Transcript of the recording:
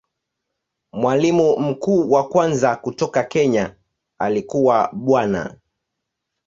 Mwalimu mkuu wa kwanza kutoka Kenya alikuwa Bwana.